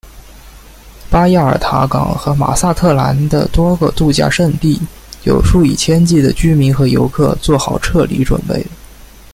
巴亚尔塔港和马萨特兰的多个度假胜地有数以千计的居民和游客做好撤离准备。